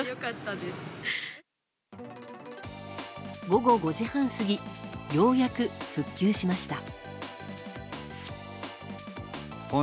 午後５時半過ぎようやく復旧しました。